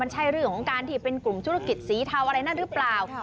ใช่เรื่องของการที่เป็นกลุ่มธุรกิจสีเทาอะไรนั่นหรือเปล่า